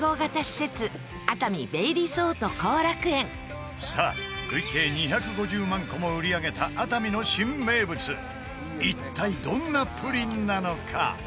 熱海ベイリゾート後楽園さあ、累計２５０万個も売り上げた熱海の新名物一体、どんなプリンなのか？